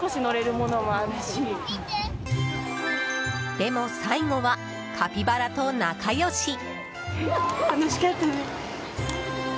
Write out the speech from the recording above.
でも最後はカピバラと仲良し。